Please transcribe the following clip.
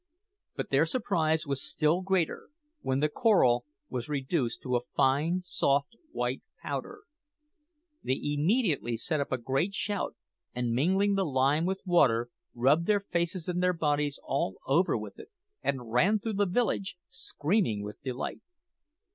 "But their surprise was still greater when the coral was reduced to a fine, soft, white powder. They immediately set up a great shout, and mingling the lime with water, rubbed their faces and their bodies all over with it, and ran through the village screaming with delight.